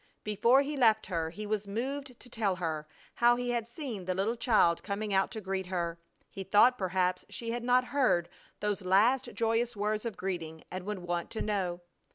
Before he left her he was moved to tell her how he had seen the little child coming out to greet her. He thought perhaps she had not heard those last joyous words of greeting and would want to know.